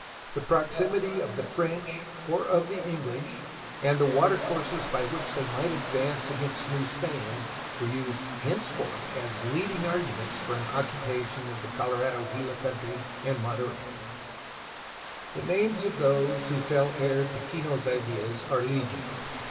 The proximity of the French or of the English and the water courses by which they might advance against New Spain werejused henceforth as leading arguments for an occupation of the Colorado Gila country and Monterey. The names of those who fell heir to Kino's ideas are legion.